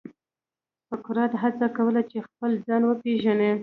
سقراط هڅه کوله چې خپل ځان وپېژني.